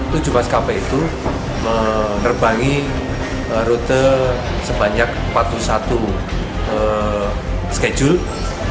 tujuh maskapai itu menerbangi rute sebanyak empat puluh satu schedule